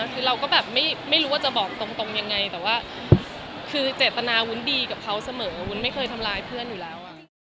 คือเราก็แบบไม่รู้ว่าจะบอกตรงยังไงแต่ว่าคือเจตนาวุ้นดีกับเขาเสมอวุ้นไม่เคยทำร้ายเพื่อนอยู่แล้วอ่ะ